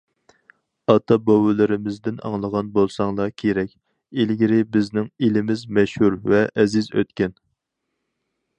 ئاتا- بوۋىلىرىمىزدىن ئاڭلىغان بولساڭلار كېرەك، ئىلگىرى بىزنىڭ ئېلىمىز مەشھۇر ۋە ئەزىز ئۆتكەن.